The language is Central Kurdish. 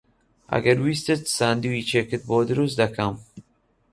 ئەگەر ویستت ساندویچێکت بۆ دروست دەکەم.